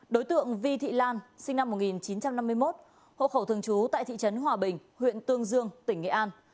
đối tượng vi thị lan sinh năm một nghìn chín trăm năm mươi một hộ khẩu thường trú tại thị trấn hòa bình huyện tương dương tỉnh nghệ an